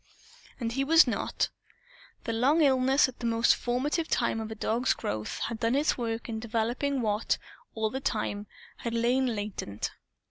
And he was not. The long illness, at the most formative time of the dog's growth, had done its work in developing what, all the time, had lain latent.